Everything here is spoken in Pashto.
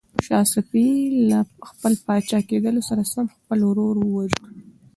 شاه صفي له خپل پاچا کېدلو سره سم خپل ورور وواژه.